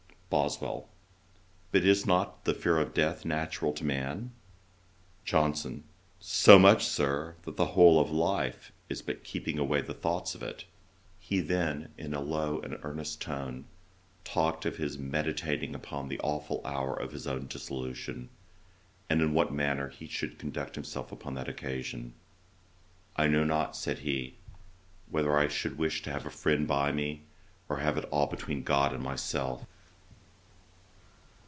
BOSWELL. 'But is not the fear of death natural to man?' JOHNSON. 'So much so, Sir, that the whole of life is but keeping away the thoughts of it.' He then, in a low and earnest tone, talked of his meditating upon the aweful hour of his own dissolution, and in what manner he should conduct himself upon that occasion: 'I know not (said he,) whether I should wish to have a friend by me, or have it all between GOD and myself.'